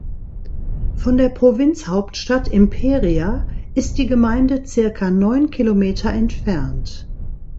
Von der Provinzhauptstadt Imperia ist die Gemeinde circa neun Kilometer entfernt.